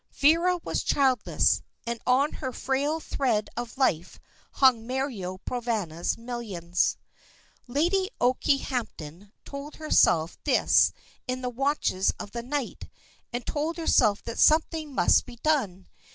Vera was childless, and on her frail thread of life hung Mario Provana's millions. Lady Okehampton told herself this in the watches of the night, and told herself that something must be done.